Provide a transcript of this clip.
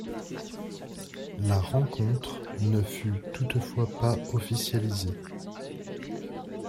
La rencontre ne fut toutefois pas officialisée.